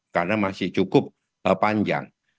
karena masih cukup panjang